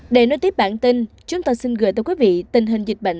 để nói tiếp bản tin chúng ta xin gửi tới quý vị tình hình dịch bệnh